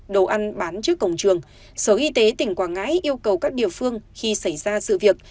đồ ăn bán trước cổng trường sở y tế tỉnh quảng ngãi yêu cầu các địa phương khi xảy ra sự việc